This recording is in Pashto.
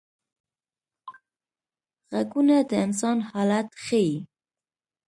غږونه د انسان حالت ښيي